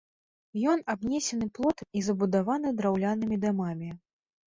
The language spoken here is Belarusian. Ён абнесены плотам і забудаваны драўлянымі дамамі.